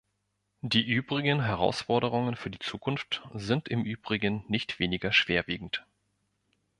Die übrigen Herausforderungen für die Zukunft sind im übrigen nicht weniger schwerwiegend.